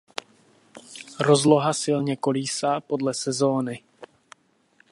Rozloha silně kolísá podle sezóny.